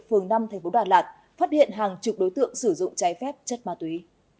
phường năm tp đà lạt phát hiện hàng chục đối tượng sử dụng trái phép chất ma túy